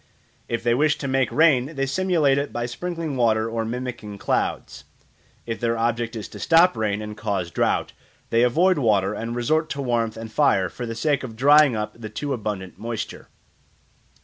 If they wish to make rain they simulate it by sprinkling water or mimicking clouds: if their object is to stop rain and cause drought, they avoid water and resort to warmth and fire for the sake of drying up the too abundant moisture.